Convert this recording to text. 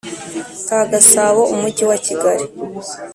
Ka gasabo umujyi wa kigali